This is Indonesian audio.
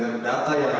data yang dari sumber